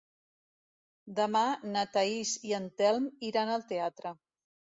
Demà na Thaís i en Telm iran al teatre.